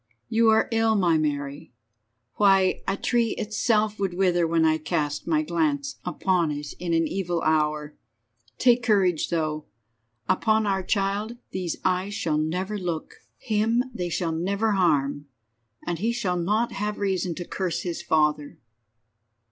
You are ill, my Mary. Why, a tree itself would wither when I cast my glance upon it in an evil hour. Take courage, though. Upon our child these eyes shall never look. Him they shall never harm, and he shall not have reason to curse his father."